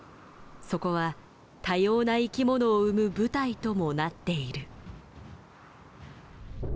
そこは多様な生きものを生む舞台ともなっている。